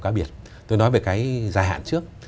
khác biệt tôi nói về cái dài hạn trước